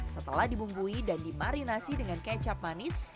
setelah dibumbui dan dimarinasi dengan kecap manis